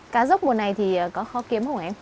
cá dốc mùa này thì có khó kiếm không ạ